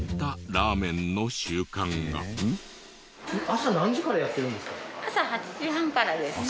朝何時からやってるんですか？